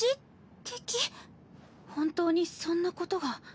本当にそんなことが？